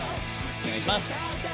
お願いします。